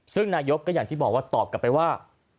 ซึ่งนายกก็อย่างที่บอกว่าตอบกลับไปว่า